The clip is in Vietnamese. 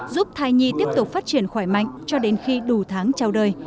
giúp thai nhi tiếp tục phát triển khỏe mạnh cho đến khi đủ tháng trao đời